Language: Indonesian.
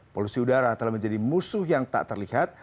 polusi udara telah menjadi musuh yang tak terlihat